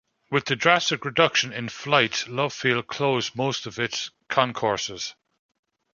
With the drastic reduction in flights, Love Field closed most of its concourses.